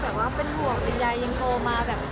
แบบว่าเป็นห่วงเป็นยายยังโทรมา